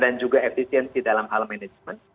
dan juga efisiensi dalam hal manajemen